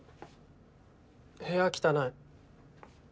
部屋汚い。